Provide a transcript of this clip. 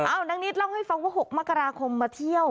นางนิดเล่าให้ฟังว่า๖มกราคมมาเที่ยว